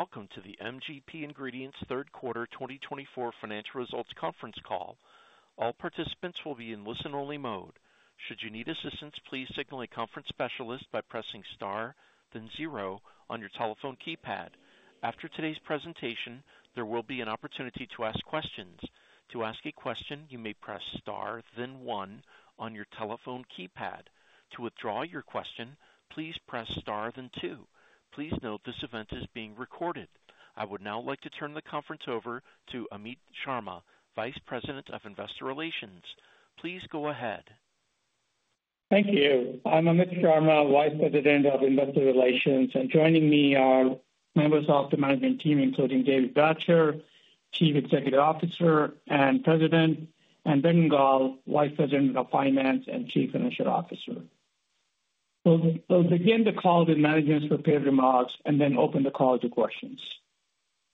Welcome to the MGP Ingredients third quarter 2024 Financial Results Conference Call. All participants will be in listen-only mode. Should you need assistance, please signal a conference specialist by pressing star, then zero, on your telephone keypad. After today's presentation, there will be an opportunity to ask questions. To ask a question, you may press Star, then One, on your telephone keypad. To withdraw your question, please press star, then two. Please note this event is being recorded. I would now like to turn the conference over to Amit Sharma, Vice President of Investor Relations. Please go ahead. Thank you. I'm Amit Sharma, Vice President of Investor Relations, and joining me are members of the management team, including David Bratcher, Chief Executive Officer and President, and Brandon Gall, Vice President of Finance and Chief Financial Officer. We'll begin the call with management's prepared remarks and then open the call to questions.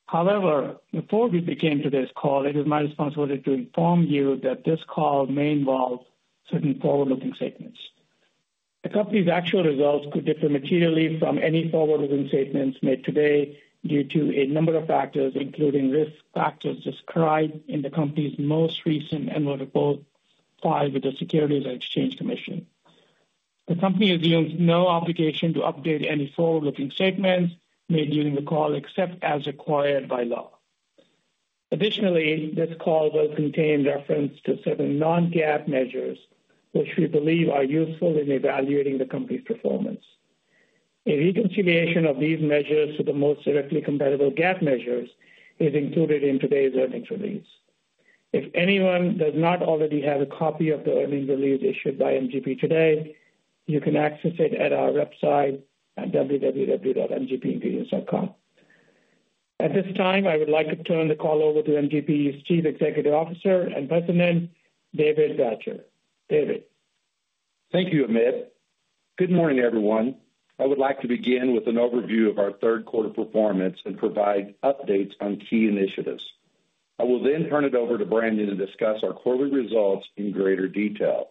However, before we begin today's call, it is my responsibility to inform you that this call may involve certain forward-looking statements. The company's actual results could differ materially from any forward-looking statements made today due to a number of factors, including risk factors described in the company's most recent 10-K filing with the Securities and Exchange Commission. The company assumes no obligation to update any forward-looking statements made during the call except as required by law. Additionally, this call will contain reference to certain non-GAAP measures, which we believe are useful in evaluating the company's performance. A reconciliation of these measures to the most directly compatible GAAP measures is included in today's earnings release. If anyone does not already have a copy of the earnings release issued by MGP today, you can access it at our website at www.mgpingredients.com. At this time, I would like to turn the call over to MGP's Chief Executive Officer and President, David Bratcher. David. Thank you, Amit. Good morning, everyone. I would like to begin with an overview of our third quarter performance and provide updates on key initiatives. I will then turn it over to Brandon to discuss our quarterly results in greater detail.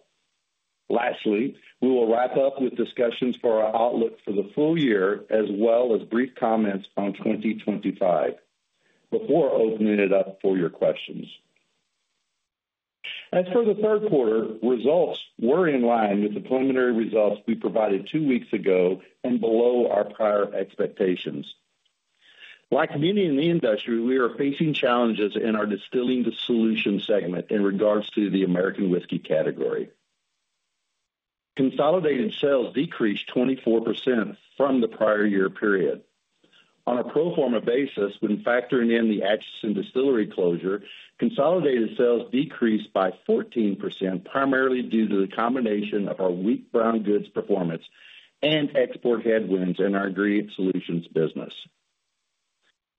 Lastly, we will wrap up with discussions for our outlook for the full year, as well as brief comments on 2025 before opening it up for your questions. As for the third quarter results, they were in line with the preliminary results we provided two weeks ago and below our prior expectations. Like many in the industry, we are facing challenges our Distilling Solutions segment in regards to the American whiskey category. Consolidated sales decreased 24% from the prior year period. On a pro forma basis, when factoring in the Atchison Distillery closure, consolidated sales decreased by 14%, primarily due to the combination of our weak Brown Goods performance and export headwinds in our Ingredient Solutions business.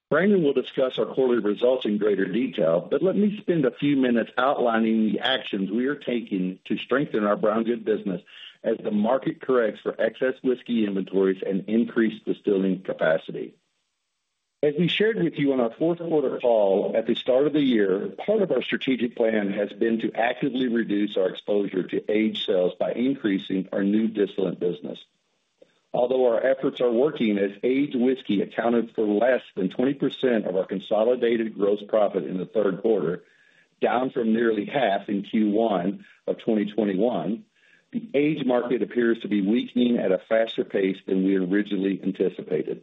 Brandon will discuss our quarterly results in greater detail, but let me spend a few minutes outlining the actions we are taking to strengthen our Brown Goods business as the market corrects for excess whiskey inventories and increased distilling capacity. As we shared with you on our fourth quarter call at the start of the year, part of our strategic plan has been to actively reduce our exposure to aged sales by increasing our new distillate business. Although our efforts are working, as aged whiskey accounted for less than 20% of our consolidated gross profit in the third quarter, down from nearly half in first quarter of 2021, the aged market appears to be weakening at a faster pace than we originally anticipated.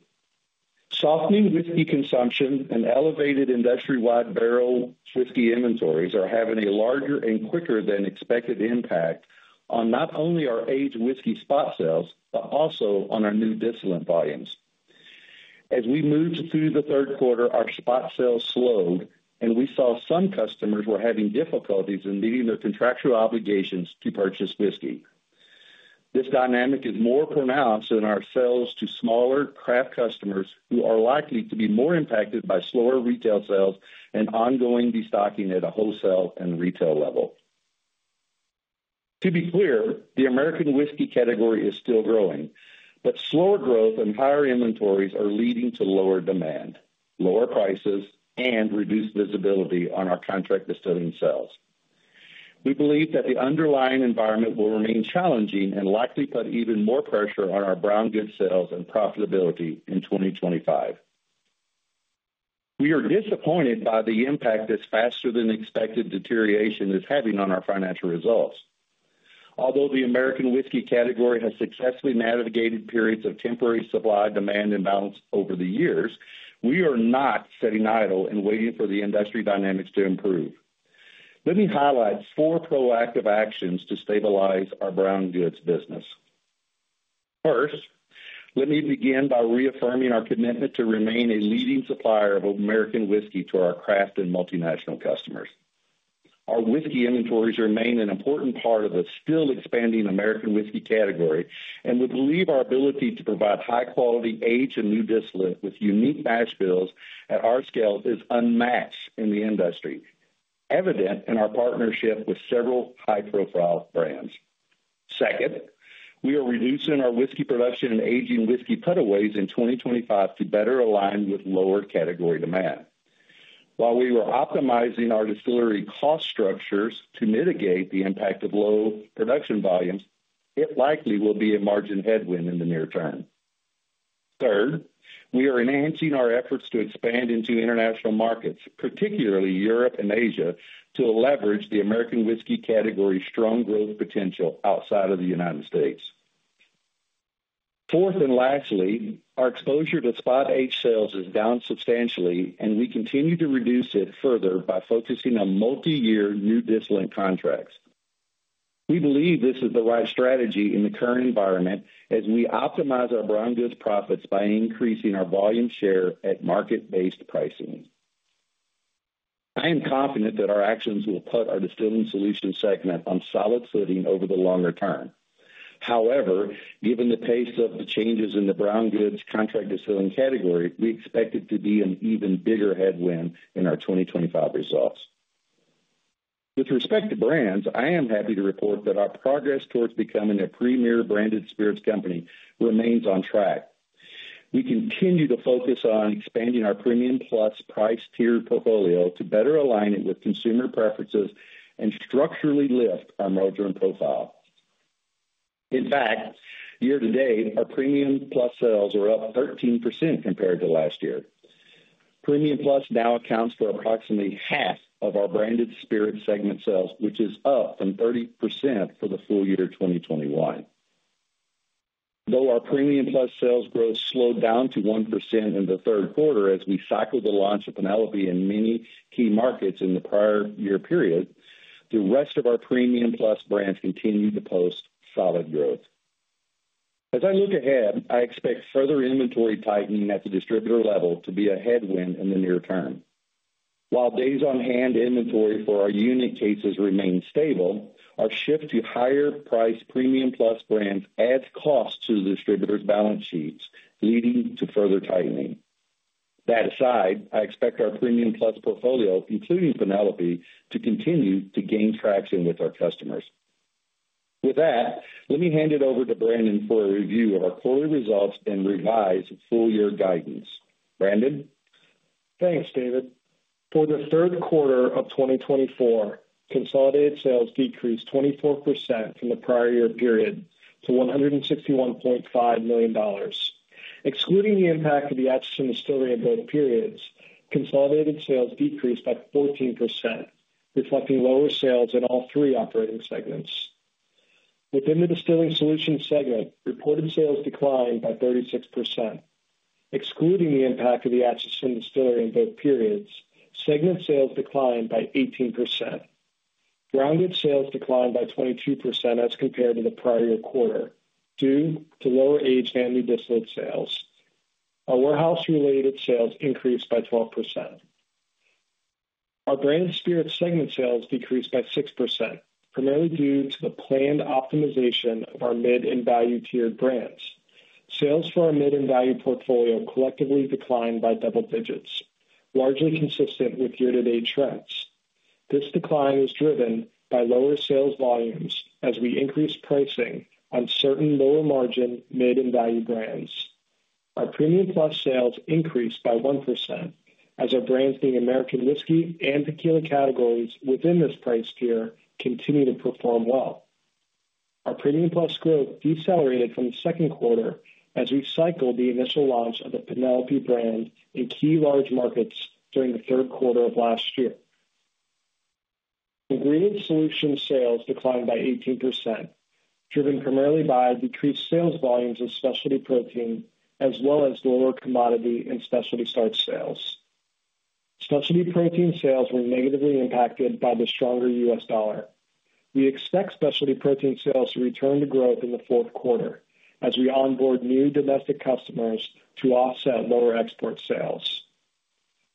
Softening whiskey consumption and elevated industry-wide barrel whiskey inventories are having a larger and quicker-than-expected impact on not only our aged whiskey spot sales, but also on our new distillate volumes. As we moved through the third quarter, our spot sales slowed, and we saw some customers were having difficulties in meeting their contractual obligations to purchase whiskey. This dynamic is more pronounced in our sales to smaller craft customers, who are likely to be more impacted by slower retail sales and ongoing destocking at a wholesale and retail level. To be clear, the American whiskey category is still growing, but slower growth and higher inventories are leading to lower demand, lower prices, and reduced visibility on our contract distilling sales. We believe that the underlying environment will remain challenging and likely put even more pressure on our Brown Goods sales and profitability in 2025. We are disappointed by the impact this faster-than-expected deterioration is having on our financial results. Although the American whiskey category has successfully navigated periods of temporary supply-demand imbalance over the years, we are not sitting idle and waiting for the industry dynamics to improve. Let me highlight four proactive actions to stabilize our Brown Goods business. First, let me begin by reaffirming our commitment to remain a leading supplier of American whiskey to our craft and multinational customers. Our whiskey inventories remain an important part of the still-expanding American whiskey category, and we would believe our ability to provide high-quality aged and new distillate with unique mash bills at our scale is unmatched in the industry, evident in our partnership with several high-profile brands. Second, we are reducing our whiskey production and aging whiskey putaways in 2025 to better align with lower category demand. While we were optimizing our distillery cost structures to mitigate the impact of low production volumes, it likely will be a margin headwind in the near term. Third, we are enhancing our efforts to expand into international markets, particularly Europe and Asia, to leverage the American whiskey category's strong growth potential outside of the United States. Fourth and lastly, our exposure to spot aged sales is down substantially, and we continue to reduce it further by focusing on multi-year new distillate contracts. We believe this is the right strategy in the current environment as we optimize our Brown Goods profits by increasing our volume share at market-based pricing. I am confident that our actions will put Distilling Solutions segment on solid footing over the longer term. However, given the pace of the changes in the Brown Goods contract distilling category, we expect it to be an even bigger headwind in our 2025 results. With respect to brands, I am happy to report that our progress towards becoming a premier Branded Spirits company remains on track. We continue to focus on expanding our Premium Plus price tier portfolio to better align it with consumer preferences and structurally lift our margin profile. In fact, year to date, our Premium Plus sales are up 13% compared to last year. Premium Plus now accounts for approximately half of our branded spirit segment sales, which is up from 30% for the full year 2021. Though our Premium Plus sales growth slowed down to 1% in the third quarter as we cycled the launch of Penelope in many key markets in the prior year period, the rest of our Premium Plus brands continue to post solid growth. As I look ahead, I expect further inventory tightening at the distributor level to be a headwind in the near term. While days-on-hand inventory for our unit cases remains stable, our shift to higher-priced Premium Plus brands adds costs to the distributor's balance sheets, leading to further tightening. That aside, I expect our Premium Plus portfolio, including Penelope, to continue to gain traction with our customers. With that, let me hand it over to Brandon for a review of our quarterly results and revised full-year guidance. Brandon? Thanks, David. For the third quarter of 2024, consolidated sales decreased 24% from the prior year period to $161.5 million. Excluding the impact of the Atchison Distillery in both periods, consolidated sales decreased by 14%, reflecting lower sales in all three operating segments. Within Distilling Solutions segment, reported sales declined by 36%. Excluding the impact of the Atchison Distillery in both periods, segment sales declined by 18%. Brown Goods sales declined by 22% as compared to the prior year quarter due to lower aged and new distillate sales. Our warehouse-related sales increased by 12%. Our Branded Spirits segment sales decreased by 6%, primarily due to the planned optimization of our Mid and Value-tiered brands. Sales for our Mid and Value portfolio collectively declined by double digits, largely consistent with year-to-date trends. This decline was driven by lower sales volumes as we increased pricing on certain lower-margin Mid and Value brands. Our Premium Plus sales increased by 1% as our brands being American whiskey and tequila categories within this price tier continue to perform well. Our Premium Plus growth decelerated from the second quarter as we cycled the initial launch of the Penelope brand in key large markets during the third quarter of last year. Ingredient Solutions sales declined by 18%, driven primarily by decreased sales volumes of specialty protein, as well as lower commodity and specialty starches sales. Specialty protein sales were negatively impacted by the stronger U.S. dollar. We expect specialty protein sales to return to growth in the fourth quarter as we onboard new domestic customers to offset lower export sales.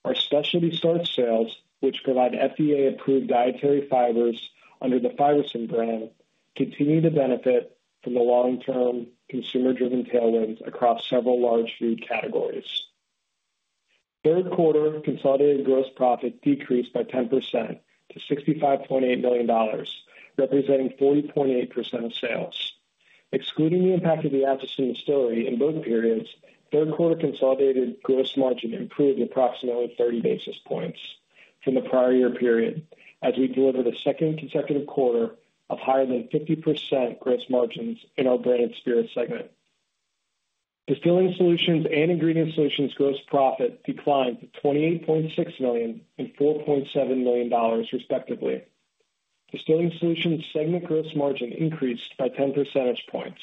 Our specialty starches sales, which provide FDA-approved dietary fibers under the Fibersym brand, continue to benefit from the long-term consumer-driven tailwinds across several large food categories. third quarter consolidated gross profit decreased by 10% to $65.8 million, representing 40.8% of sales. Excluding the impact of the Atchison Distillery in both periods, third quarter consolidated gross margin improved approximately 30 basis points from the prior year period as we delivered a second consecutive quarter of higher than 50% gross margins in our Branded Spirits Distilling Solutions and Ingredient Solutions gross profit declined to $28.6 million and $4.7 million, Distilling Solutions segment gross margin increased by 10 percentage points,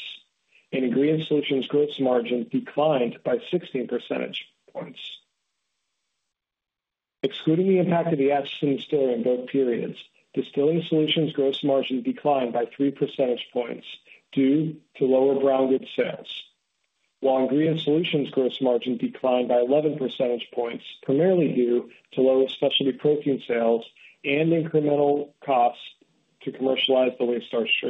and Ingredient Solutions gross margin declined by 16 percentage points. Excluding the impact of the Atchison Distillery in both Distilling Solutions gross margin declined by 3 percentage points due to lower Brown Goods sales, while Ingredient Solutions gross margin declined by 11 percentage points, primarily due to lower specialty protein sales and incremental costs to commercialize the wheat starch.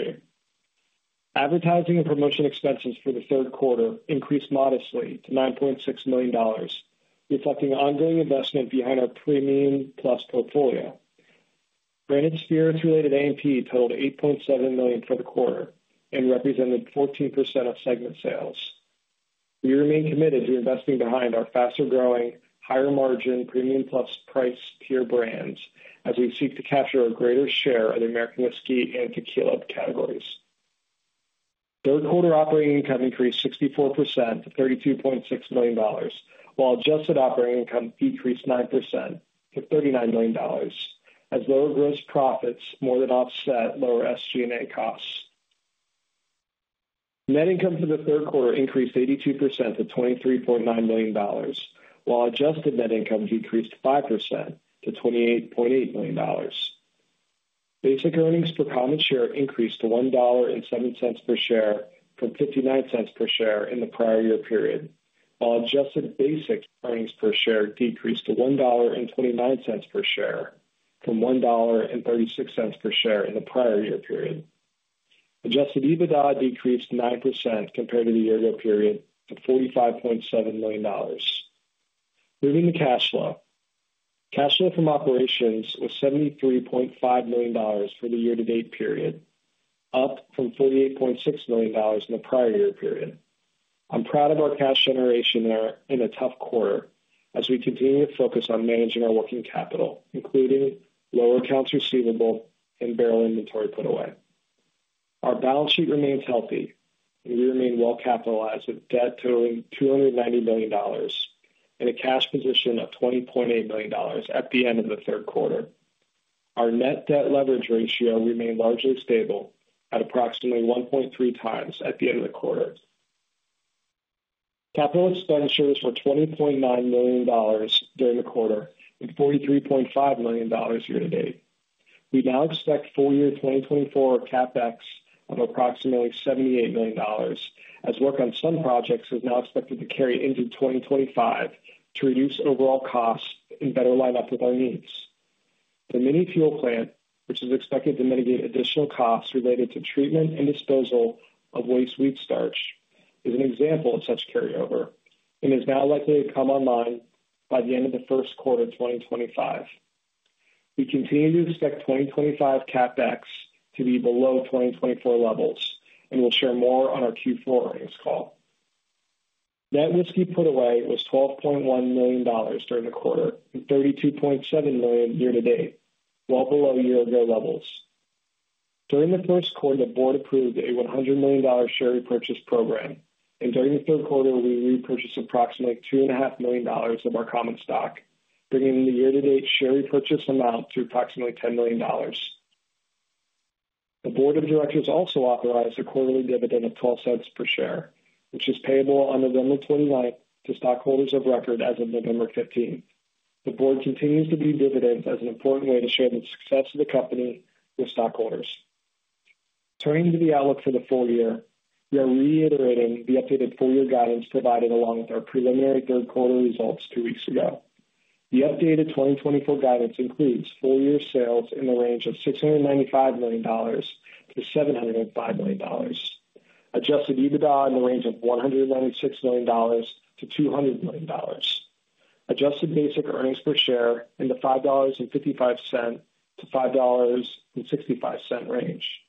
Advertising and promotion expenses for the third quarter increased modestly to $9.6 million, reflecting ongoing investment behind our Premium Plus portfolio. Branded Spirits-related a&p totaled $8.7 million for the quarter and represented 14% of segment sales. We remain committed to investing behind our faster-growing, higher-margin Premium Plus price tier brands as we seek to capture a greater share of the American whiskey and tequila categories. third quarter operating income increased 64% to $32.6 million, while adjusted operating income decreased 9% to $39 million as lower gross profits more than offset lower SG&A costs. Net income for the third quarter increased 82% to $23.9 million, while adjusted net income decreased 5% to $28.8 million. Basic earnings per common share increased to $1.07 per share from $0.59 per share in the prior year period, while adjusted basic earnings per share decreased to $1.29 per share from $1.36 per share in the prior year period. Adjusted EBITDA decreased 9% compared to the year-ago period to $45.7 million. Moving to cash flow. Cash flow from operations was $73.5 million for the year-to-date period, up from $48.6 million in the prior year period. I'm proud of our cash generation in a tough quarter as we continue to focus on managing our working capital, including lower accounts receivable and barrel inventory put-away. Our balance sheet remains healthy, and we remain well-capitalized with debt totaling $290 million and a cash position of $20.8 million at the end of the fourth quarter. Our net debt leverage ratio remained largely stable at approximately 1.3x at the end of the quarter. Capital expenditures were $20.9 million during the quarter and $43.5 million year-to-date. We now expect full-year 2024 CapEx of approximately $78 million as work on some projects is now expected to carry into 2025 to reduce overall costs and better line up with our needs. The monofill plant, which is expected to mitigate additional costs related to treatment and disposal of waste wheat starch, is an example of such carryover and is now likely to come online by the end of the first quarter of 2025. We continue to expect 2025 CapEx to be below 2024 levels, and we'll share more on our fourth quarter earnings call. Net whiskey put-away was $12.1 million during the quarter and $32.7 million year-to-date, well below year-ago levels. During the first quarter, the board approved a $100 million share repurchase program, and during the third quarter, we repurchased approximately $2.5 million of our common stock, bringing the year-to-date share repurchase amount to approximately $10 million. The board of directors also authorized a quarterly dividend of $0.12 per share, which is payable on November 29 to stockholders of record as of November 15. The board continues to view dividends as an important way to share the success of the company with stockholders. Turning to the outlook for the full year, we are reiterating the updated full-year guidance provided along with our preliminary third quarter results two weeks ago. The updated 2024 guidance includes full-year sales in the range of $695 million-$705 million, adjusted EBITDA in the range of $196 million-$200 million, adjusted basic earnings per share in the $5.55-$5.65 range.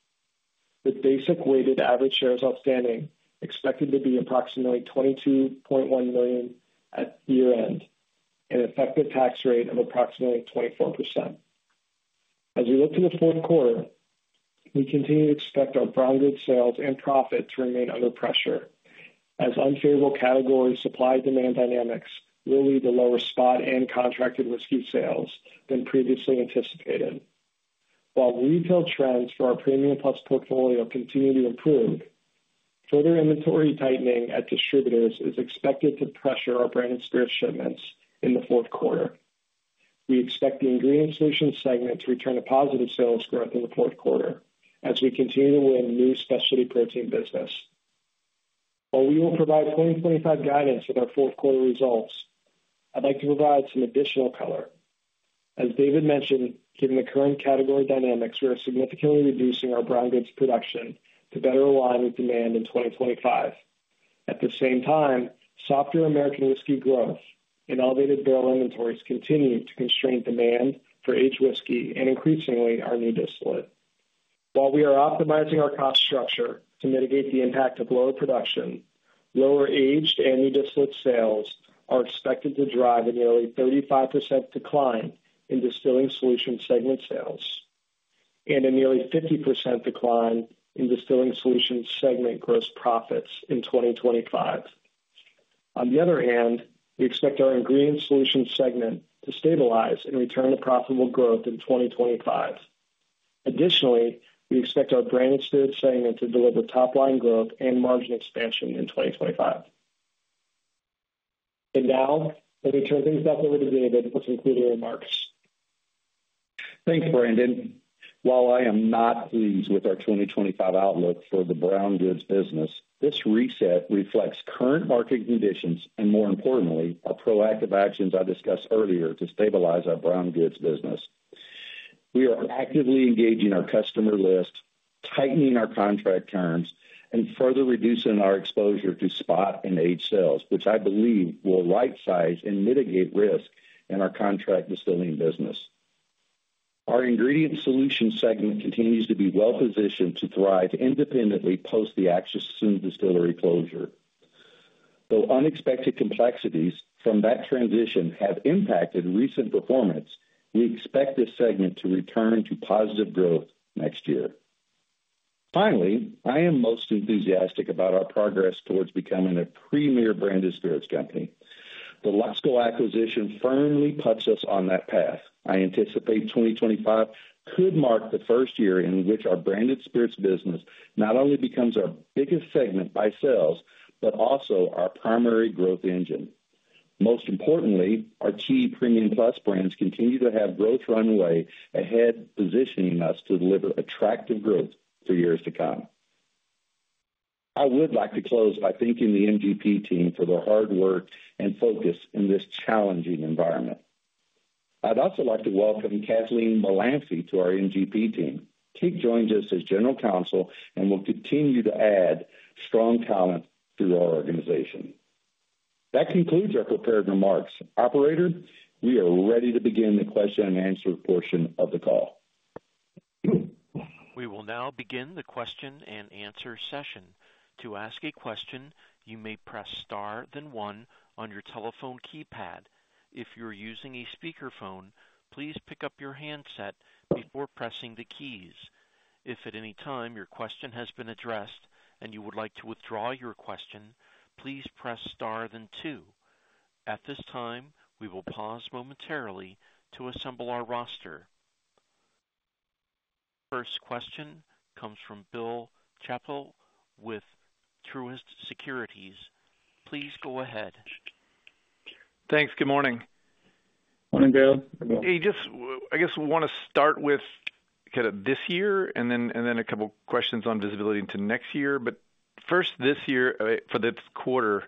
With basic weighted average shares outstanding, expected to be approximately $22.1 million at year-end, an effective tax rate of approximately 24%. As we look to the fourth quarter, we continue to expect our Brown Goods sales and profit to remain under pressure as unfavorable category supply-demand dynamics will lead to lower spot and contracted whiskey sales than previously anticipated. While retail trends for our Premium Plus portfolio continue to improve, further inventory tightening at distributors is expected to pressure our Branded Spirits shipments in the fourth quarter. We expect the Ingredient Solutions segment to return to positive sales growth in the fourth quarter as we continue to win new specialty protein business. While we will provide 2025 guidance with our fourth quarter results, I'd like to provide some additional color. As David mentioned, given the current category dynamics, we are significantly reducing our Brown Goods production to better align with demand in 2025. At the same time, softer American whiskey growth and elevated barrel inventories continue to constrain demand for aged whiskey and increasingly our new distillate. While we are optimizing our cost structure to mitigate the impact of lower production, lower aged and new distillate sales are expected to drive a nearly 35% decline Distilling Solutions segment sales and a nearly 50% decline Distilling Solutions segment gross profits in 2025. On the other hand, we expect our Ingredient Solutions segment to stabilize and return to profitable growth in 2025. Additionally, we expect our Branded Spirits segment to deliver top-line growth and margin expansion in 2025, and now let me turn things back over to David for concluding remarks. Thanks, Brandon. While I am not pleased with our 2025 outlook for the Brown Goods business, this reset reflects current market conditions and, more importantly, our proactive actions I discussed earlier to stabilize our Brown Goods business. We are actively engaging our customer list, tightening our contract terms, and further reducing our exposure to spot and aged sales, which I believe will right-size and mitigate risk in our contract distilling business. Our Ingredient Solutions segment continues to be well-positioned to thrive independently post the Atchison Distillery closure. Though unexpected complexities from that transition have impacted recent performance, we expect this segment to return to positive growth next year. Finally, I am most enthusiastic about our progress towards becoming a premier Branded Spirits company. The Luxco acquisition firmly puts us on that path. I anticipate 2025 could mark the first year in which our Branded Spirits business not only becomes our biggest segment by sales but also our primary growth engine. Most importantly, our key Premium Plus brands continue to have growth runway ahead, positioning us to deliver attractive growth for years to come. I would like to close by thanking the MGP team for their hard work and focus in this challenging environment. I'd also like to welcome Keith Walsh to our MGP team. Keith joins us as General Counsel and will continue to add strong talent through our organization. That concludes our prepared remarks. Operator, we are ready to begin the question-and-answer portion of the call. We will now begin the question-and-answer session. To ask a question, you may press star then one on your telephone keypad. If you're using a speakerphone, please pick up your handset before pressing the keys. If at any time your question has been addressed and you would like to withdraw your question, please press star then two. At this time, we will pause momentarily to assemble our roster. First question comes from Bill Chappell with Truist Securities. Please go ahead. Thanks. Good morning. Morning, Bill. Hey, just, I guess, want to start with kind of this year and then a couple questions on visibility into next year. But first, this year for the fourth quarter,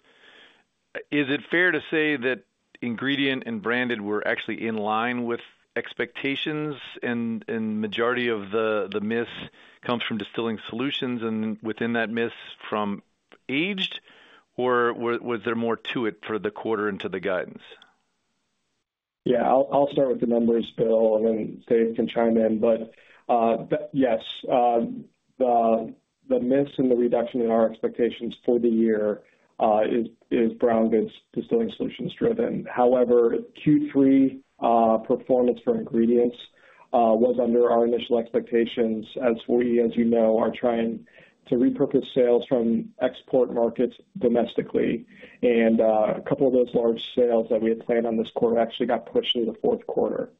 is it fair to say that Ingredients and Brandon were actually in line with expectations and majority of the miss comes Distilling Solutions and within that miss from aged, or was there more to it for the fourth quarter into the guidance? Yeah, I'll start with the numbers, Bill, and then Dave can chime in. But yes, the miss and the reduction in our expectations for the year is Distilling Solutions driven. However, Q3 performance for Ingredients was under our initial expectations as we, as you know, are trying to repurpose sales from export markets domestically. And a couple of those large sales that we had planned on this fourth quarter actually got pushed into the fourth quarter.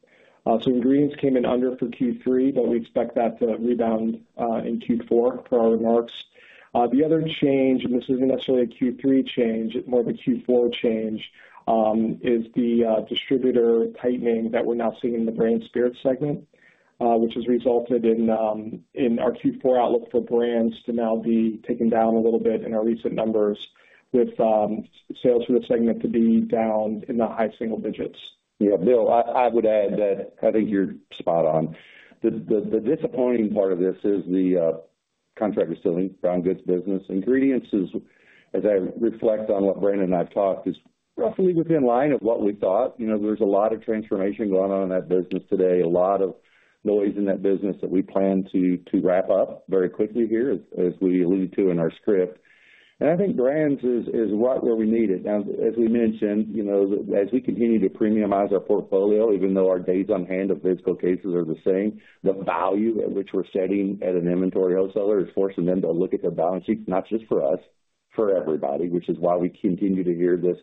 So Ingredients came in under for third quarter, but we expect that to rebound in fourth quarter for our remarks. The other change, and this isn't necessarily a Q3 change, more of a Q4 change, is the distributor tightening that we're now seeing in the brand spirits segment, which has resulted in our Q4 outlook for brands to now be taken down a little bit in our recent numbers with sales for the segment to be down in the high single digits. Yeah, Bill, I would add that I think you're spot on. The disappointing part of this is the contract distilling Brown Goods business. Ingredients, as I reflect on what Brandon and I've talked, is roughly within line of what we thought. There's a lot of transformation going on in that business today, a lot of noise in that business that we plan to wrap up very quickly here, as we alluded to in our script, and I think brands is right where we need it. Now, as we mentioned, as we continue to premiumize our portfolio, even though our days on hand of physical cases are the same, the value at which we're setting at an inventory wholesaler is forcing them to look at their balance sheets, not just for us, for everybody, which is why we continue to hear this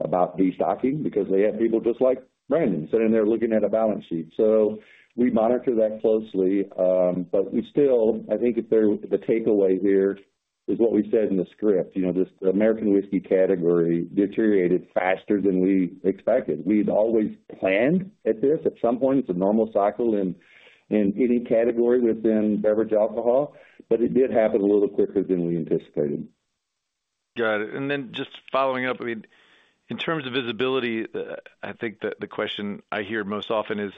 about destocking because they have people just like Brandon sitting there looking at a balance sheet. So we monitor that closely. But still, I think the takeaway here is what we said in the script. The American whiskey category deteriorated faster than we expected. We'd always planned at this at some point. It's a normal cycle in any category within beverage alcohol, but it did happen a little quicker than we anticipated. Got it. And then just following up, I mean, in terms of visibility, I think the question I hear most often is,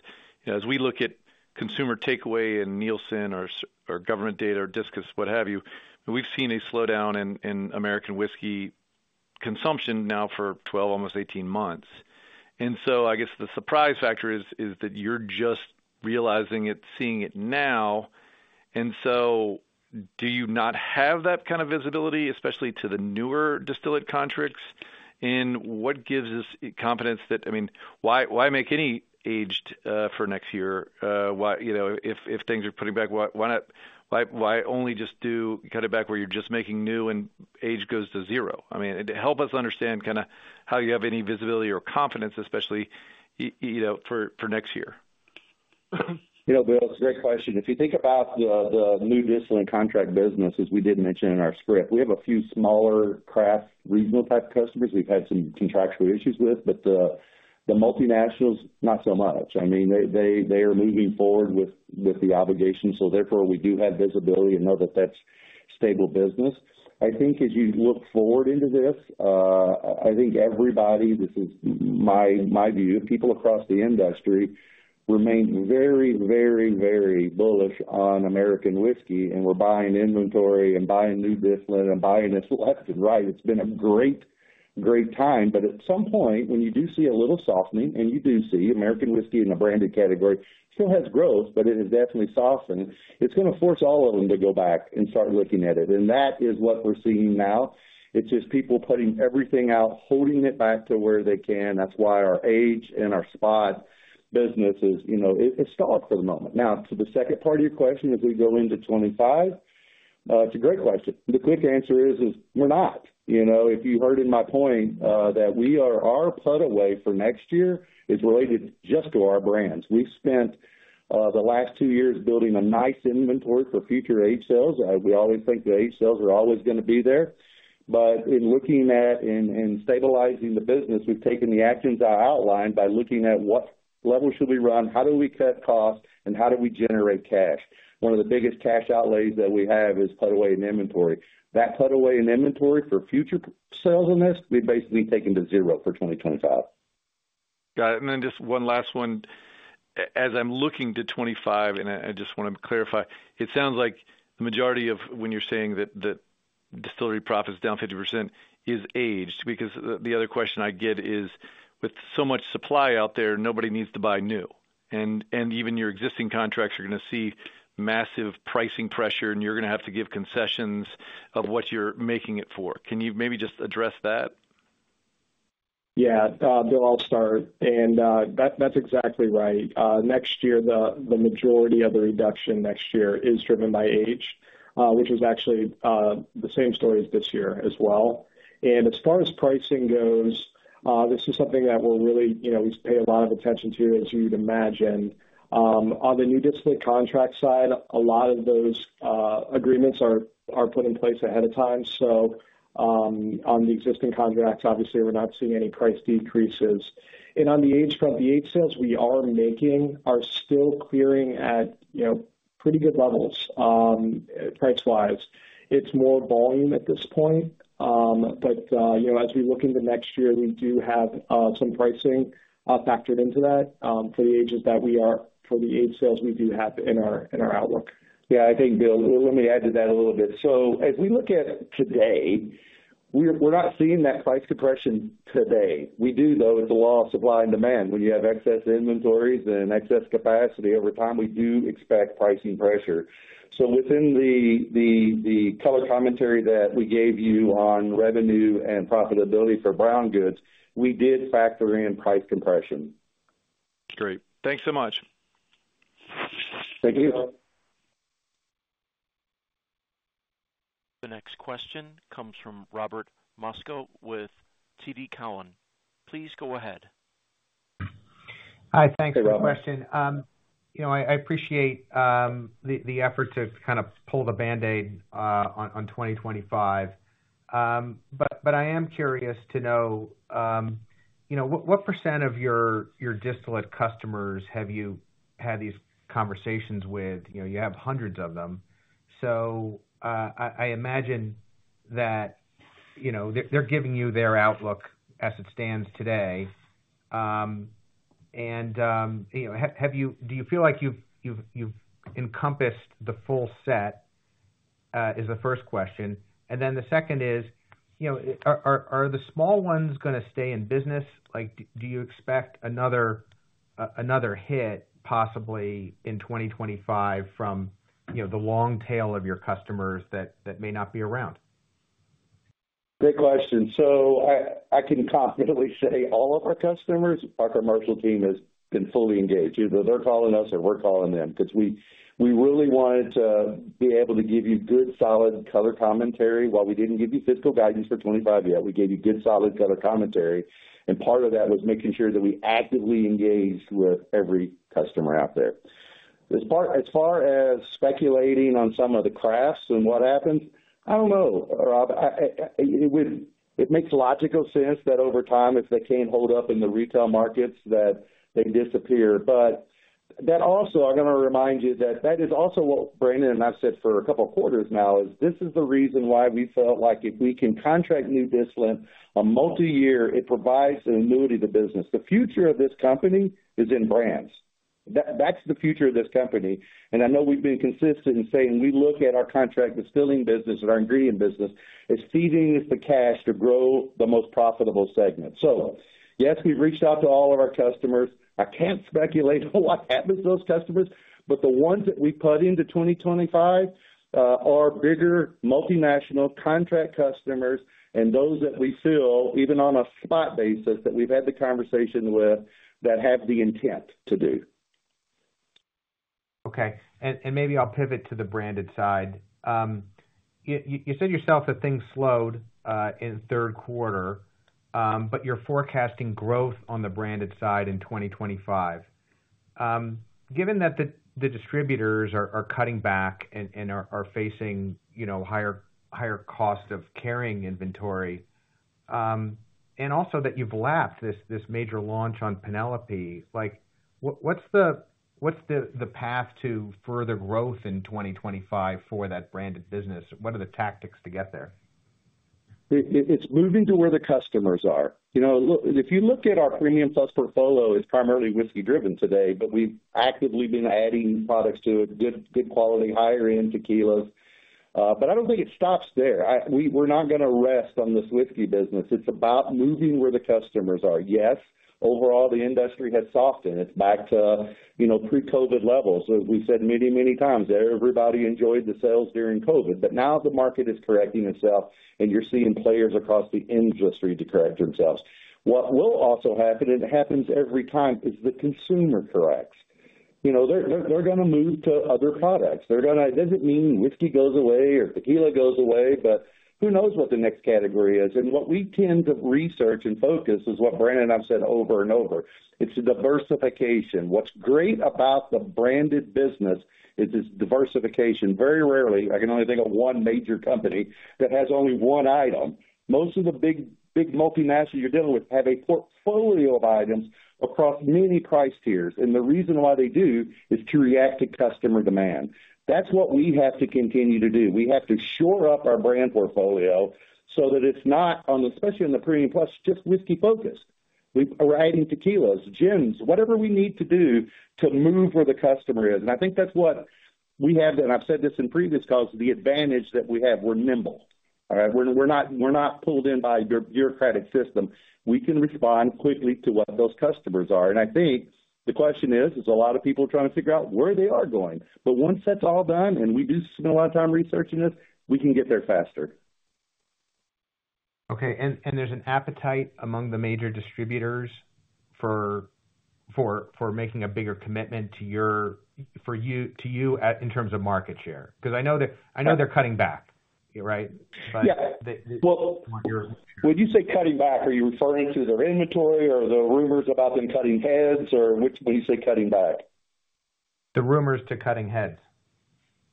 as we look at consumer takeaway and Nielsen or government data or DISCUS, what have you, we've seen a slowdown in American whiskey consumption now for 12, almost 18 months. And so I guess the surprise factor is that you're just realizing it, seeing it now. And so do you not have that kind of visibility, especially to the newer distillate contracts? And what gives us confidence that, I mean, why make any aged for next year? If things are putting back, why only just do cut it back where you're just making new and age goes to zero? I mean, help us understand kind of how you have any visibility or confidence, especially for next year? You know, Bill, it's a great question. If you think about the new distilling contract business, as we did mention in our script, we have a few smaller craft regional type customers we've had some contractual issues with, but the multinationals, not so much. I mean, they are moving forward with the obligation. So therefore, we do have visibility and know that that's stable business. I think as you look forward into this, I think everybody, this is my view, people across the industry remain very, very, very bullish on American whiskey. And we're buying inventory and buying new distillate and buying this left and right. It's been a great, great time. But at some point, when you do see a little softening, and you do see American whiskey in the branded category still has growth, but it has definitely softened, it's going to force all of them to go back and start looking at it. And that is what we're seeing now. It's just people putting everything out, holding it back to where they can. That's why our aged and our spot business is, you know, it's stalled for the moment. Now, to the second part of your question, as we go into 2025, it's a great question. The quick answer is, we're not. You know, if you heard in my point that our put-away for next year is related just to our brands. We've spent the last two years building a nice inventory for future aged sales. We always think the aged sales are always going to be there. But in looking at and stabilizing the business, we've taken the actions I outlined by looking at what level should we run, how do we cut costs, and how do we generate cash. One of the biggest cash outlays that we have is put-away in inventory. That put-away in inventory for future sales on this, we've basically taken to zero for 2025. Got it. And then just one last one. As I'm looking to 2025, and I just want to clarify, it sounds like the majority of when you're saying that distillery profits down 50% is aged. Because the other question I get is, with so much supply out there, nobody needs to buy new. And even your existing contracts are going to see massive pricing pressure, and you're going to have to give concessions of what you're making it for. Can you maybe just address that? Yeah, Bill, I'll start, and that's exactly right. Next year, the majority of the reduction next year is driven by aged, which is actually the same story as this year as well, and as far as pricing goes, this is something that we're really, you know, we pay a lot of attention to, as you'd imagine. On the new distillate contract side, a lot of those agreements are put in place ahead of time. So on the existing contracts, obviously, we're not seeing any price decreases, and on the aged front, the aged sales we are making are still clearing at pretty good levels price-wise. It's more volume at this point, but as we look into next year, we do have some pricing factored into that for the aged sales we do have in our outlook. Yeah, I think, Bill, let me add to that a little bit. So as we look at today, we're not seeing that price compression today. We do, though, with the laws of supply and demand. When you have excess inventories and excess capacity over time, we do expect pricing pressure. So within the color commentary that we gave you on revenue and profitability for Brown Goods, we did factor in price compression. Great. Thanks so much. Thank you. The next question comes from Robert Moskow with TD Cowen. Please go ahead. Hi, thanks for the question. You know, I appreciate the effort to kind of pull the Band-Aid on 2025. But I am curious to know, you know, what percent of your distillate customers have you had these conversations with? You have hundreds of them. So I imagine that they're giving you their outlook as it stands today. And do you feel like you've encompassed the full set is the first question. And then the second is, are the small ones going to stay in business? Do you expect another hit possibly in 2025 from the long tail of your customers that may not be around? Great question, so I can confidently say all of our customers, our commercial team has been fully engaged. Either they're calling us or we're calling them because we really wanted to be able to give you good solid color commentary. While we didn't give you physical guidance for 2025 yet, we gave you good solid color commentary, and part of that was making sure that we actively engaged with every customer out there. As far as speculating on some of the crafts and what happens, I don't know. It makes logical sense that over time, if they can't hold up in the retail markets, that they disappear. But that also, I'm going to remind you that that is also what Brandon and I have said for a couple of quarters now. This is the reason why we felt like if we can contract new distillate a multi-year, it provides an annuity to the business. The future of this company is in brands. That's the future of this company. And I know we've been consistent in saying we look at our contract distilling business and our Ingredients business as feeding the cash to grow the most profitable segment. So yes, we've reached out to all of our customers. I can't speculate on what happens to those customers, but the ones that we put into 2025 are bigger multinational contract customers and those that we feel, even on a spot basis, that we've had the conversation with that have the intent to do. Okay. And maybe I'll pivot to the branded side. You said yourself that things slowed in third quarter, but you're forecasting growth on the branded side in 2025. Given that the distributors are cutting back and are facing higher cost of carrying inventory, and also that you've lapped this major launch on Penelope, what's the path to further growth in 2025 for that branded business? What are the tactics to get there? It's moving to where the customers are. You know, if you look at our Premium Plus portfolio, it's primarily whiskey driven today, but we've actively been adding products to it, good quality, higher-end tequilas. But I don't think it stops there. We're not going to rest on this whiskey business. It's about moving where the customers are. Yes, overall, the industry has softened. It's back to pre-COVID levels. We've said many, many times that everybody enjoyed the sales during COVID. But now the market is correcting itself, and you're seeing players across the industry too correct themselves. What will also happen, and it happens every time, is the consumer corrects. You know, they're going to move to other products. Doesn't mean whiskey goes away or tequila goes away, but who knows what the next category is. What we tend to research and focus is what Brandon and I have said over and over. It's diversification. What's great about the branded business is its diversification. Very rarely, I can only think of one major company that has only one item. Most of the big multinationals you're dealing with have a portfolio of items across many price tiers. And the reason why they do is to react to customer demand. That's what we have to continue to do. We have to shore up our brand portfolio so that it's not, especially in the Premium Plus, just whiskey focused. We're adding tequilas, gins, whatever we need to do to move where the customer is. And I think that's what we have, and I've said this in previous calls, the advantage that we have. We're nimble. All right? We're not pulled in by a bureaucratic system. We can respond quickly to what those customers are. And I think the question is, a lot of people trying to figure out where they are going. But once that's all done, and we do spend a lot of time researching this, we can get there faster. Okay. And there's an appetite among the major distributors for making a bigger commitment to you in terms of market share. Because I know they're cutting back, right? Yeah. Well, when you say cutting back, are you referring to their inventory or the rumors about them cutting heads or when you say cutting back? The rumors of cutting heads.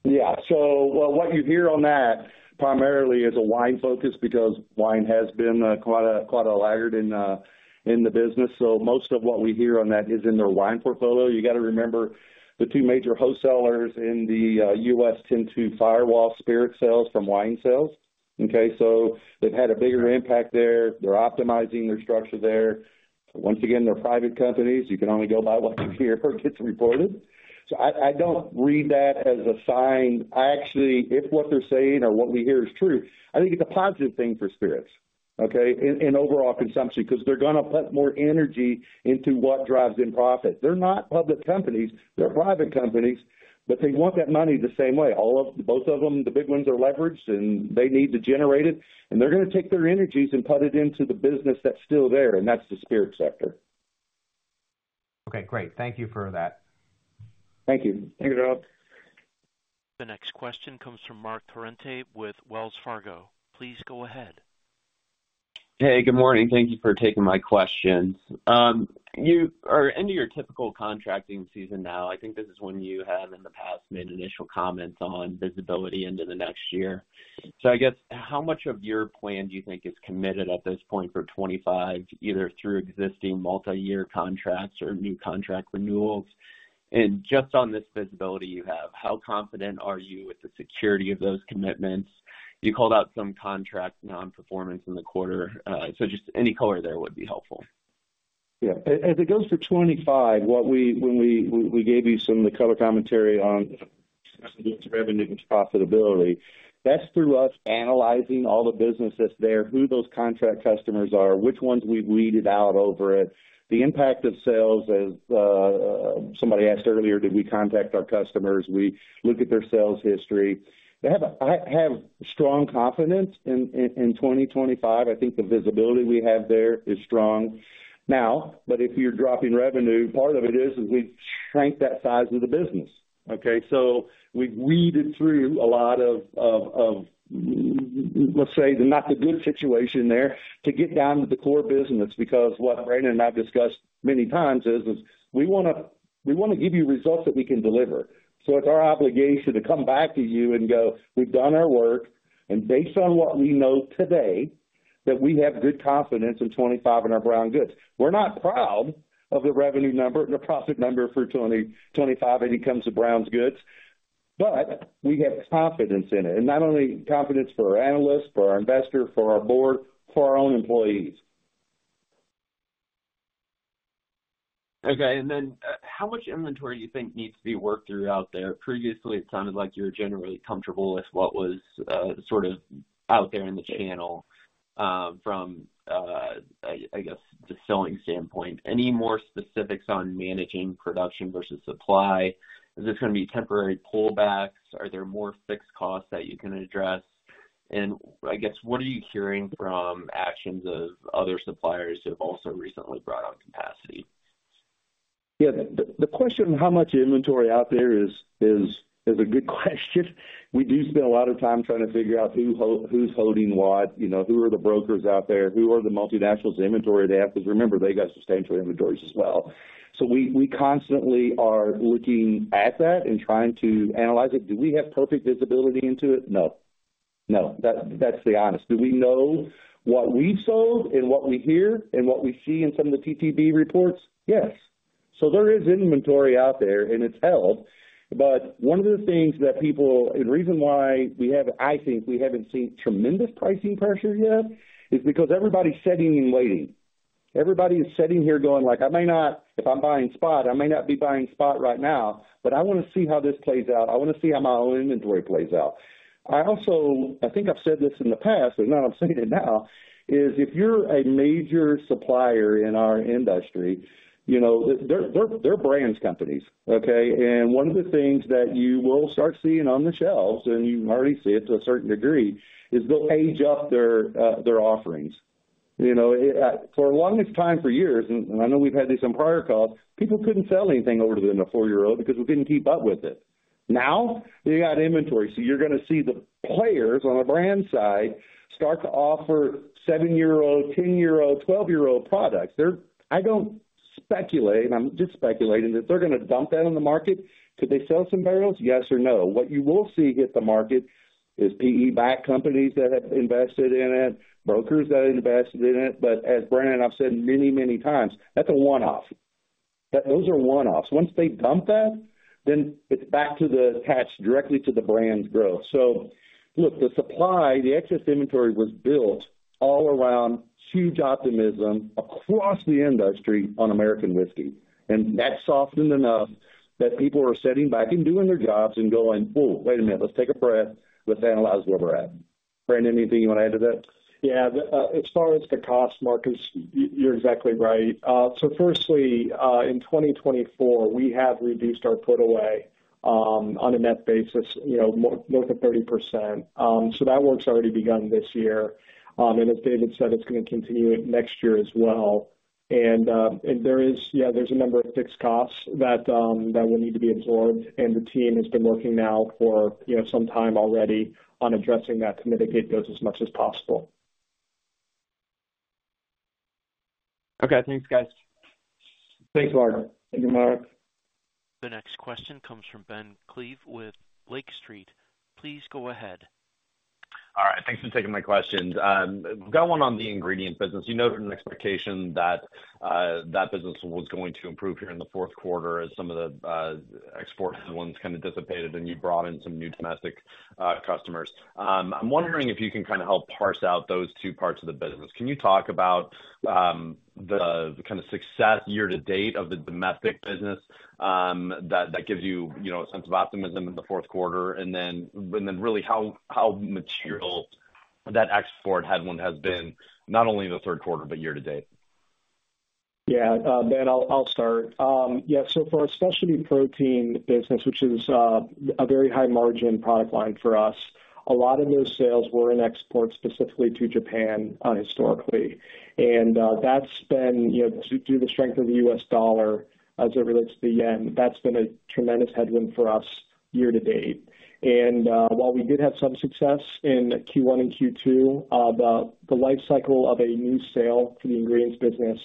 Yeah. So what you hear on that primarily is a wine focus because wine has been quite a laggard in the business. So most of what we hear on that is in their wine portfolio. You got to remember the two major wholesalers in the U.S. tend to firewall spirit sales from wine sales. Okay? So they've had a bigger impact there. They're optimizing their structure there. Once again, they're private companies. You can only go by what you hear or get reported. So I don't read that as a sign. Actually, if what they're saying or what we hear is true, I think it's a positive thing for spirits, okay, in overall consumption because they're going to put more energy into what drives in profit. They're not public companies. They're private companies, but they want that money the same way. Both of them, the big ones are leveraged, and they need to generate it, and they're going to take their energies and put it into the business that's still there, and that's the spirit sector. Okay. Great. Thank you for that. Thank you. Thank you, John. The next question comes from Marc Torrente with Wells Fargo. Please go ahead. Hey, good morning. Thank you for taking my question. You are into your typical contracting season now. I think this is when you have in the past made initial comments on visibility into the next year. So I guess how much of your plan do you think is committed at this point for 2025, either through existing multi-year contracts or new contract renewals? And just on this visibility you have, how confident are you with the security of those commitments? You called out some contract non-performance in the quarter. So just any color there would be helpful. Yeah. As it goes for 2025, when we gave you some of the color commentary on revenue and profitability, that's through us analyzing all the business that's there, who those contract customers are, which ones we've weeded out over it, the impact of sales. As somebody asked earlier, did we contact our customers? We look at their sales history. I have strong confidence in 2025. I think the visibility we have there is strong now. But if you're dropping revenue, part of it is we've shrank that size of the business. Okay? So we've weeded through a lot of, let's say, not the good situation there to get down to the core business. Because what Brandon and I have discussed many times is we want to give you results that we can deliver. So it's our obligation to come back to you and go, "We've done our work. Based on what we know today, that we have good confidence in 2025 in our Brown Goods. We're not proud of the revenue number and the profit number for 2025 when it comes to Brown Goods, but we have confidence in it. And not only confidence for our analysts, for our investor, for our board, for our own employees. Okay. And then how much inventory do you think needs to be worked through out there? Previously, it sounded like you were generally comfortable with what was sort of out there in the channel from, I guess, the selling standpoint. Any more specifics on managing production versus supply? Is this going to be temporary pullbacks? Are there more fixed costs that you can address? And I guess, what are you hearing from actions of other suppliers who have also recently brought on capacity? Yeah. The question of how much inventory out there is a good question. We do spend a lot of time trying to figure out who's holding what, who are the brokers out there, who are the multinationals' inventory gap, because remember, they've got substantial inventories as well. So we constantly are looking at that and trying to analyze it. Do we have perfect visibility into it? No. No. That's the honest. Do we know what we've sold and what we hear and what we see in some of the TTB reports? Yes. So there is inventory out there, and it's held. But one of the things that people, and the reason why we have, I think we haven't seen tremendous pricing pressure yet, is because everybody's sitting and waiting. Everybody is sitting here going like, "If I'm buying spot, I may not be buying spot right now, but I want to see how this plays out. I want to see how my own inventory plays out." I think I've said this in the past, but now I'm saying it now, is if you're a major supplier in our industry, you know they're brand companies. Okay? And one of the things that you will start seeing on the shelves, and you already see it to a certain degree, is they'll age up their offerings. You know, for a long time for years, and I know we've had this on prior calls, people couldn't sell anything older than a four-year-old because we couldn't keep up with it. Now they got inventory. So you're going to see the players on the brand side start to offer seven-year-old, 10-year-old, 12-year-old products. I don't speculate, and I'm just speculating, that they're going to dump that on the market. Could they sell some barrels? Yes or no. What you will see hit the market is PE-backed companies that have invested in it, brokers that have invested in it. But as Brandon and I have said many, many times, that's a one-off. Those are one-offs. Once they dump that, then it's back to the attached directly to the brand growth. So look, the supply, the excess inventory was built all around huge optimism across the industry on American whiskey. And that's softened enough that people are sitting back and doing their jobs and going, "Oh, wait a minute. Let's take a breath. Let's analyze where we're at." Brandon, anything you want to add to that? Yeah. As far as the cost markers, you're exactly right. So firstly, in 2024, we have reduced our put-away on a net basis, you know, north of 30%. So that work's already begun this year. And as David said, it's going to continue next year as well. And there is, yeah, there's a number of fixed costs that will need to be absorbed. And the team has been working now for some time already on addressing that to mitigate those as much as possible. Okay. Thanks, guys. Thanks, Marc. Thank you, Marc. The next question comes from Ben Klieve with Lake Street. Please go ahead. All right. Thanks for taking my questions. I've got one on the Ingredients business. You noted an expectation that that business was going to improve here in the fourth quarter as some of the export ones kind of dissipated, and you brought in some new domestic customers. I'm wondering if you can kind of help parse out those two parts of the business. Can you talk about the kind of success year to date of the domestic business that gives you a sense of optimism in the fourth quarter? And then really how material that export headwind has been, not only the third quarter, but year-to-date? Yeah. Ben, I'll start. Yeah. So for our specialty protein business, which is a very high-margin product line for us, a lot of those sales were in exports specifically to Japan historically. And that's been, due to the strength of the U.S. dollar as it relates to the yen, that's been a tremendous headwind for us year to date. And while we did have some success in first quarter and second quarter, the life cycle of a new sale for the Ingredients business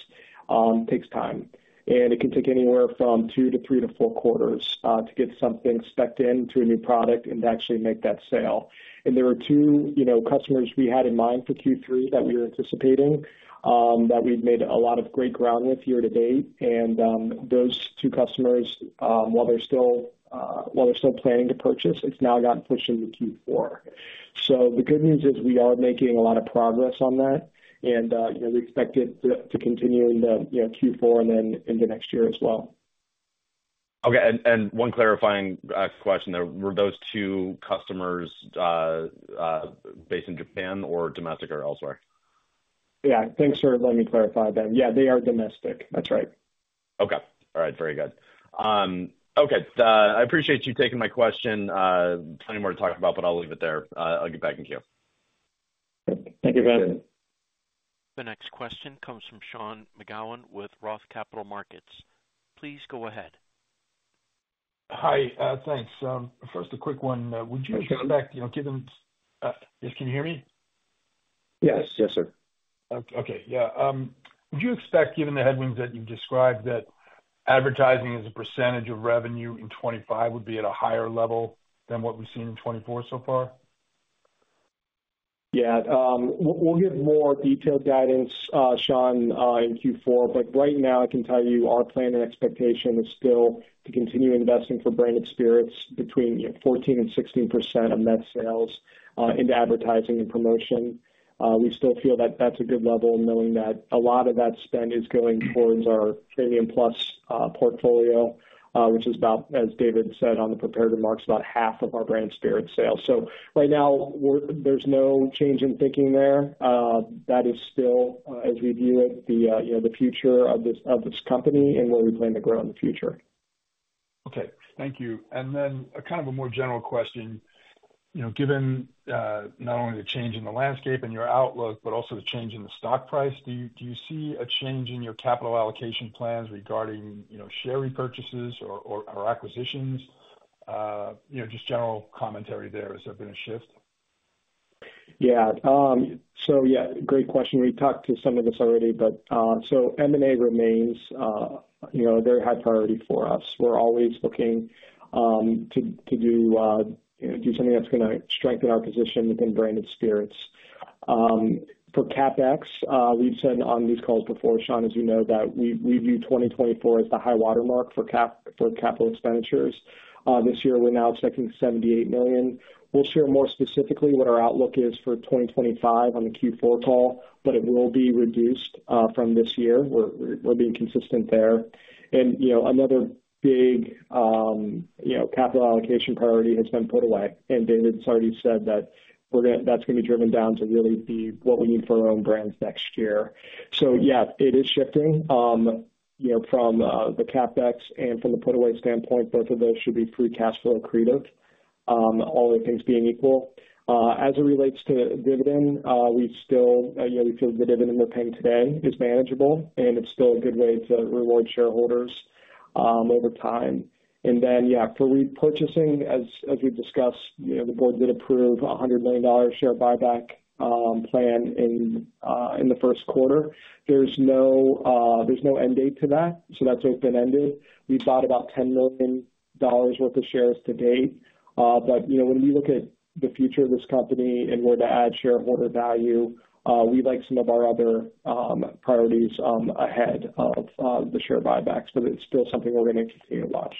takes time. And it can take anywhere from two to three to four quarters to get something spec'd into a new product and to actually make that sale. And there were two customers we had in mind for third quarter that we were anticipating, that we've made a lot of great ground with year to date. And those two customers, while they're still planning to purchase, it's now gotten pushed into fourth quarter. So the good news is we are making a lot of progress on that. And we expect it to continue into fourth quarter and then into next year as well. Okay. And one clarifying question there. Were those two customers based in Japan or domestic or elsewhere? Yeah. Thanks for letting me clarify that. Yeah, they are domestic. That's right. Okay. All right. Very good. Okay. I appreciate you taking my question. Plenty more to talk about, but I'll leave it there. I'll get back in here. Thank you, Ben. The next question comes from Sean McGowan with Roth Capital Markets. Please go ahead. Hi. Thanks. First, a quick one. Would you expect, given yes? Can you hear me? Yes. Yes, sir. Okay. Yeah. Would you expect, given the headwinds that you've described, that advertising as a percentage of revenue in 2025 would be at a higher level than what we've seen in 2024 so far? Yeah. We'll give more detailed guidance, Sean, in fourth quarter. But right now, I can tell you our plan and expectation is still to continue investing for Branded Spirits between 14% and 16% of net sales into advertising and promotion. We still feel that that's a good level, knowing that a lot of that spend is going towards our Premium Plus portfolio, which is about, as David said on the prepared remarks, about half of our Branded Spirits sales. So right now, there's no change in thinking there. That is still, as we view it, the future of this company and where we plan to grow in the future. Okay. Thank you. And then kind of a more general question. Given not only the change in the landscape and your outlook, but also the change in the stock price, do you see a change in your capital allocation plans regarding share repurchases or acquisitions? Just general commentary there. Has there been a shift? Yeah. So yeah, great question. We talked to some of this already, but so M&A remains a very high priority for us. We're always looking to do something that's going to strengthen our position within Branded Spirits. For CapEx, we've said on these calls before, Sean, as you know, that we view 2024 as the high watermark for capital expenditures. This year, we're now expecting $78 million. We'll share more specifically what our outlook is for 2025 on the fourth quarter call, but it will be reduced from this year. We're being consistent there. And another big capital allocation priority has been put-away. And David's already said that that's going to be driven down to really be what we need for our own brands next year. So yeah, it is shifting. From the CapEx and from the put-away standpoint, both of those should be free cash flow accretive, all the things being equal. As it relates to dividend, we feel the dividend we're paying today is manageable, and it's still a good way to reward shareholders over time. And then, yeah, for repurchasing, as we've discussed, the board did approve a $100 million share buyback plan in the first quarter. There's no end date to that, so that's open-ended. We bought about $10 million worth of shares to date. But when we look at the future of this company and where to add shareholder value, we like some of our other priorities ahead of the share buybacks, but it's still something we're going to continue to watch.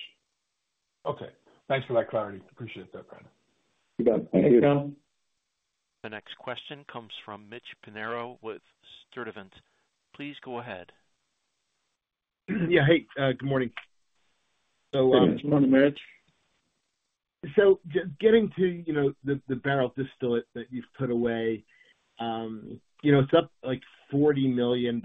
Okay. Thanks for that clarity. Appreciate that, Brandon. You bet. Thank you. Thanks, Sean. The next question comes from Mitch Pinheiro with Sturdivant. Please go ahead. Yeah. Hey, good morning. Good morning, Mitch. So getting to the barrel distillate that you've put-away, it's up like $40 million,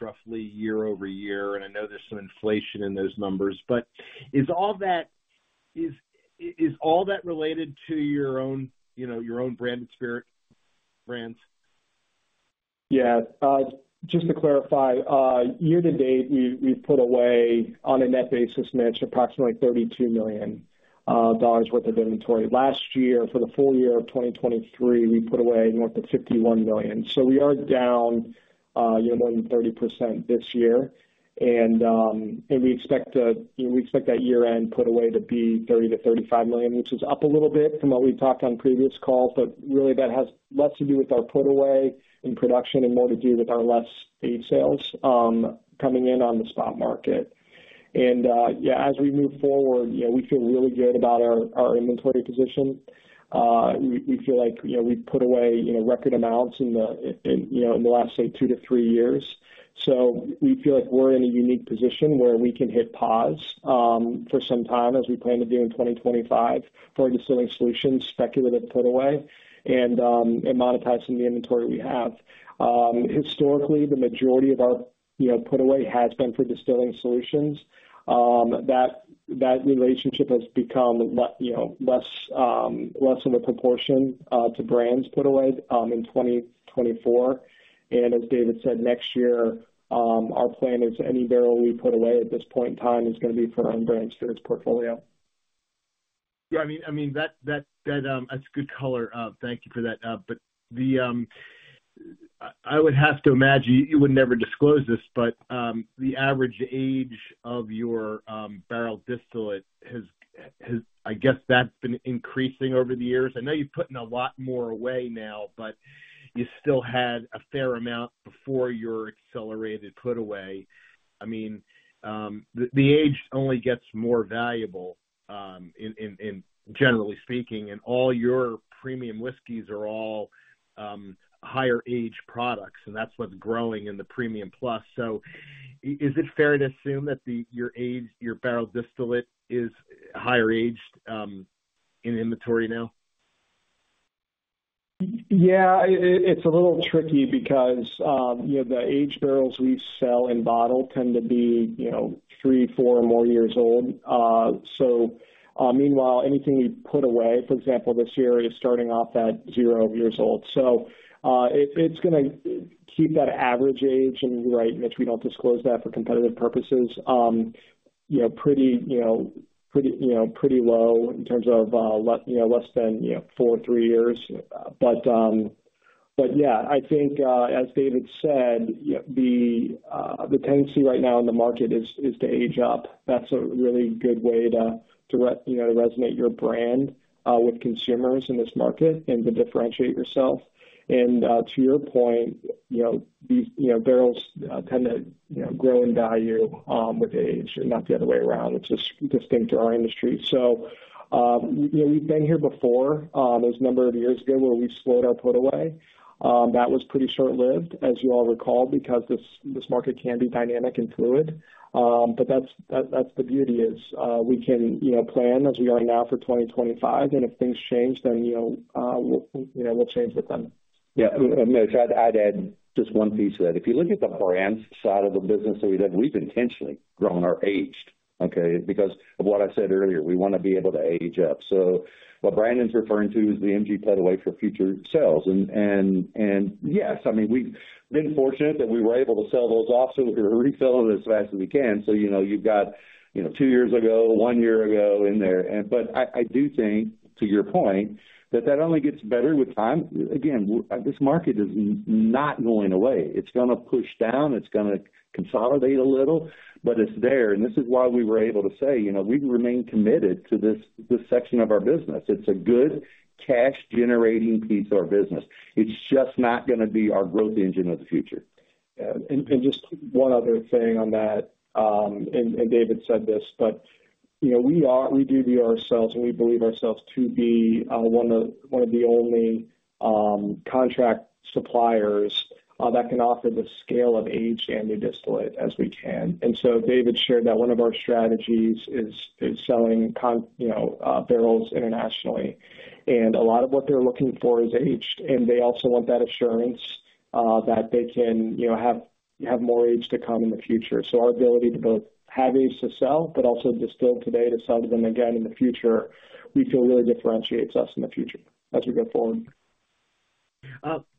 roughly, year over year. And I know there's some inflation in those numbers. But is all that related to your own branded spirit brands? Yeah. Just to clarify, year to date, we've put-away, on a net basis, Mitch, approximately $32 million worth of inventory. Last year, for the full year of 2023, we put-away north of $51 million. So we are down more than 30% this year. We expect that year-end put-away to be $30 million-$35 million, which is up a little bit from what we've talked on previous calls. But really, that has less to do with our put-away in production and more to do with our lower priced sales coming in on the spot market. Yeah, as we move forward, we feel really good about our inventory position. We feel like we've put-away record amounts in the last, say, two to three years. So we feel like we're in a unique position where we can hit pause for some time, as we plan to do in 2025, Distilling Solutions, speculative put-away, and monetize some of the inventory we have. Historically, the majority of our put-away has been Distilling Solutions. that relationship has become less of a proportion to brands put-away in 2024, and as David said, next year, our plan is any barrel we put-away at this point in time is going to be for our own brand spirits portfolio. Yeah. I mean, that's good color. Thank you for that, but I would have to imagine you would never disclose this, but the average age of your barrel distillate has, I guess, that's been increasing over the years. I know you've put in a lot more away now, but you still had a fair amount before your accelerated put-away. I mean, the age only gets more valuable, generally speaking, and all your premium whiskeys are all higher-aged products, and that's what's growing in the Premium Plus, so is it fair to assume that your barrel distillate is higher-aged in inventory now? Yeah. It's a little tricky because the aged barrels we sell in bottles tend to be three, four, or more years old. So meanwhile, anything we put-away, for example, this year, is starting off at zero years old. So it's going to keep that average age and right, Mitch, we don't disclose that for competitive purposes, pretty low in terms of less than four or three years. But yeah, I think, as David said, the tendency right now in the market is to age up. That's a really good way to resonate your brand with consumers in this market and to differentiate yourself. And to your point, these barrels tend to grow in value with age, not the other way around. It's just distinct to our industry. So we've been here before. There's a number of years ago where we slowed our put-away. That was pretty short-lived, as you all recall, because this market can be dynamic and fluid, but that's the beauty is we can plan as we are now for 2025, and if things change, then we'll change with them. Yeah. Mitch, I'd add just one piece to that. If you look at the brand side of the business that we did, we've intentionally grown our age, okay, because of what I said earlier. We want to be able to age up. So what Brandon's referring to is the MGP put-away for future sales. And yes, I mean, we've been fortunate that we were able to sell those off so we're reselling as fast as we can. So you've got two years ago, one year ago in there. But I do think, to your point, that that only gets better with time. Again, this market is not going away. It's going to push down. It's going to consolidate a little, but it's there. And this is why we were able to say we remain committed to this section of our business. It's a good cash-generating piece of our business. It's just not going to be our growth engine of the future. Yeah, and just one other thing on that, and David said this, but we do view ourselves, and we believe ourselves to be one of the only contract suppliers that can offer the scale of age and the distillate as we can, and so David shared that one of our strategies is selling barrels internationally, and a lot of what they're looking for is aged, and they also want that assurance that they can have more age to come in the future, so our ability to both have age to sell, but also distill today to sell to them again in the future, we feel really differentiates us in the future as we go forward.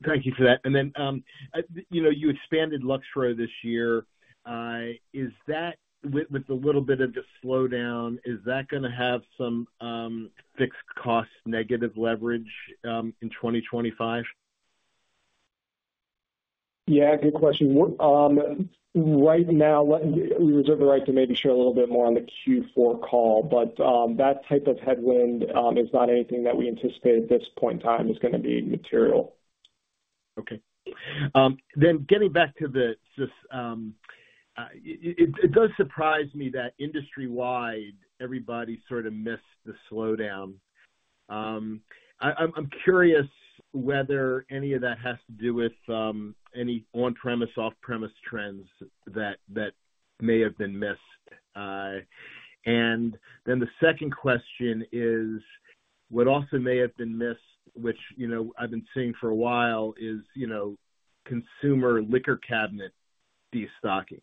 Thank you for that. And then you expanded Luxco this year. With a little bit of the slowdown, is that going to have some fixed cost negative leverage in 2025? Yeah. Good question. Right now, we reserve the right to maybe share a little bit more on the fourth quarter call, but that type of headwind is not anything that we anticipate at this point in time is going to be material. Okay. Then getting back to this, it does surprise me that industry-wide, everybody sort of missed the slowdown. I'm curious whether any of that has to do with any on-premise, off-premise trends that may have been missed. And then the second question is what also may have been missed, which I've been seeing for a while, is consumer liquor cabinet destocking.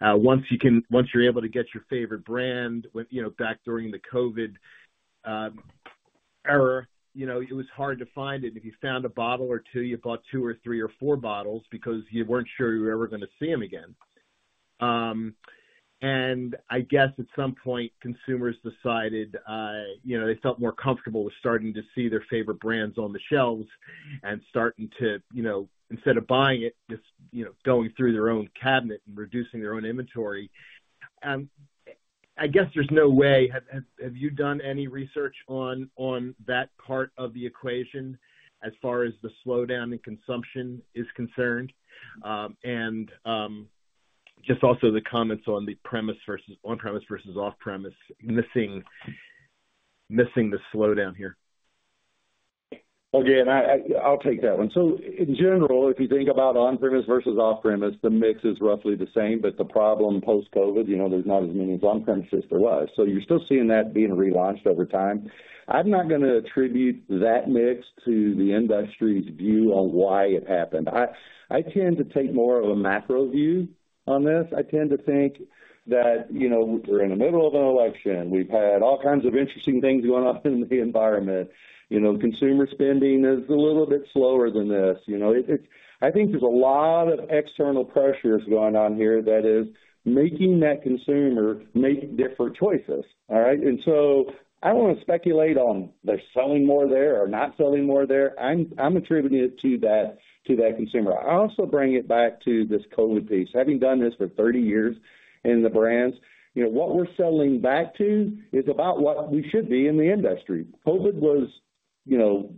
Once you're able to get your favorite brand back during the COVID era, it was hard to find it. And if you found a bottle or two, you bought two or three or four bottles because you weren't sure you were ever going to see them again. And I guess at some point, consumers decided they felt more comfortable with starting to see their favorite brands on the shelves and starting to, instead of buying it, just going through their own cabinet and reducing their own inventory. I guess there's no way, have you done any research on that part of the equation as far as the slowdown in consumption is concerned? And just also the comments on the on-premise versus off-premise missing the slowdown here? Okay. And I'll take that one. So in general, if you think about on-premise versus off-premise, the mix is roughly the same. But the problem post-COVID, there's not as many on-premises as there was. So you're still seeing that being relaunched over time. I'm not going to attribute that mix to the industry's view on why it happened. I tend to take more of a macro view on this. I tend to think that we're in the middle of an election. We've had all kinds of interesting things going on in the environment. Consumer spending is a little bit slower than this. I think there's a lot of external pressures going on here that is making that consumer make different choices, all right? And so I don't want to speculate on they're selling more there or not selling more there. I'm attributing it to that consumer. I also bring it back to this COVID piece. Having done this for 30 years in the brands, what we're selling back to is about what we should be in the industry. COVID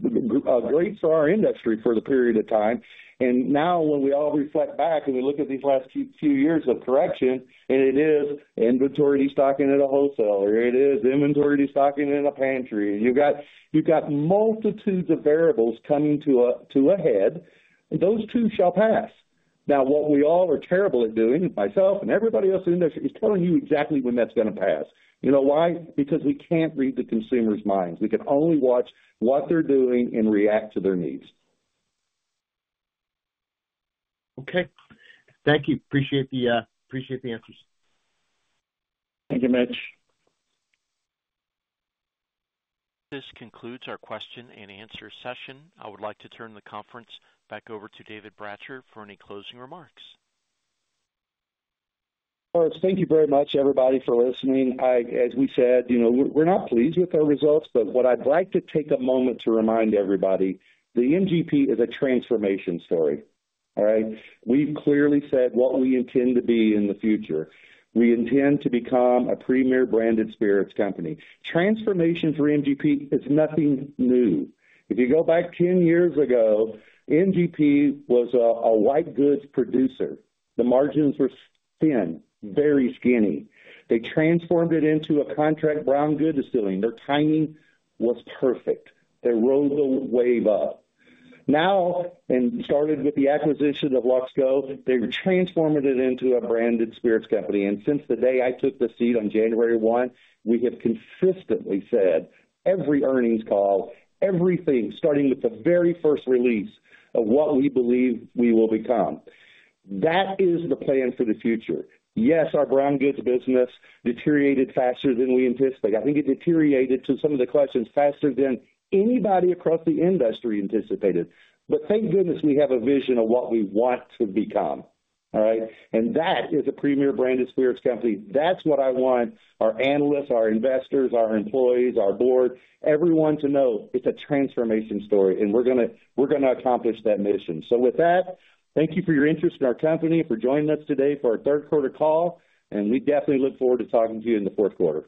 was great for our industry for the period of time, and now when we all reflect back and we look at these last few years of correction, and it is inventory destocking at a wholesaler. It is inventory destocking in a pantry, and you've got multitudes of variables coming to a head. Those too shall pass. Now, what we all are terrible at doing, myself and everybody else in the industry, is telling you exactly when that's going to pass. You know why? Because we can't read the consumer's minds. We can only watch what they're doing and react to their needs. Okay. Thank you. Appreciate the answers. Thank you, Mitch. This concludes our question and answer session. I would like to turn the conference back over to David Bratcher for any closing remarks. Thank you very much, everybody, for listening. As we said, we're not pleased with our results, but what I'd like to take a moment to remind everybody, the MGP is a transformation story, all right? We've clearly said what we intend to be in the future. We intend to become a premier Branded Spirits company. Transformation for MGP is nothing new. If you go back 10 years ago, MGP was a white goods producer. The margins were thin, very skinny. They transformed it into a contract Brown Goods distilling. Their timing was perfect. They rode the wave up. Now, and started with the acquisition of Luxco, they transformed it into a Branded Spirits company. And since the day I took the seat on January 1, we have consistently said every earnings call, everything, starting with the very first release of what we believe we will become. That is the plan for the future. Yes, our Brown Goods business deteriorated faster than we anticipated. I think it deteriorated, to some of the questions, faster than anybody across the industry anticipated. But thank goodness we have a vision of what we want to become, all right? And that is a premier Branded Spirits company. That's what I want our analysts, our investors, our employees, our board, everyone to know it's a transformation story, and we're going to accomplish that mission. So with that, thank you for your interest in our company and for joining us today for our third quarter call. And we definitely look forward to talking to you in the fourth quarter.